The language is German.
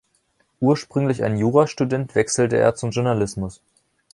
Ursprünglich ein Jurastudent, wechselte er zum Journalismus.